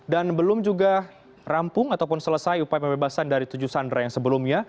dan belum juga rampung ataupun selesai upaya pembebasan dari tujuh sandera yang sebelumnya